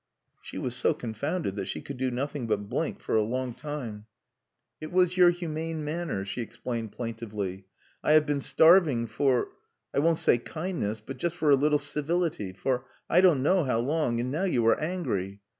She was so confounded that she could do nothing but blink for a long time. "It was your humane manner," she explained plaintively. "I have been starving for, I won't say kindness, but just for a little civility, for I don't know how long. And now you are angry...."